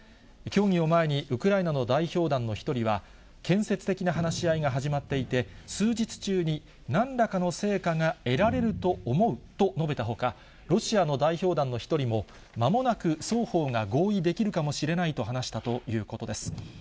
協議を前にウクライナの代表団の一人は、建設的な話し合いが始まっていて、数日中に何らかの成果が得られると思うと述べたほか、ロシアの代表団の一人も、まもなく双方が合意できるかもしれないと話したということです。